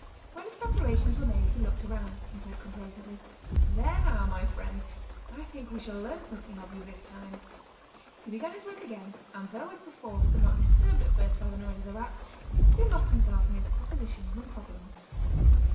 When his preparations were made he looked around, and said complacently: "There now, my friend, I think we shall learn something of you this time!" He began his work again, and though as before somewhat disturbed at first by the noise of the rats, soon lost himself in his propositions and problems.